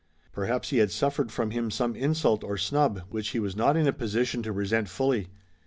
Perhaps he had suffered from him some insult or snub which he was not in a position to resent fully.